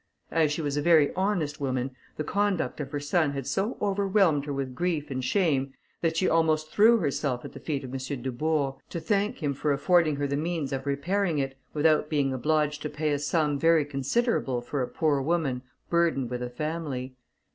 As she was a very honest woman, the conduct of her son had so overwhelmed her with grief and shame, that she almost threw herself at the feet of M. Dubourg, to thank him for affording her the means of repairing it without being obliged to pay a sum very considerable for a poor woman burdened with a family.